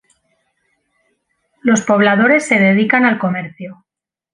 Los pobladores se dedican al comercio.